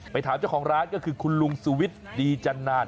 ถามเจ้าของร้านก็คือคุณลุงสุวิทย์ดีจันนาน